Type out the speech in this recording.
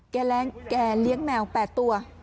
แกเลี้ยงแมว๘ตัว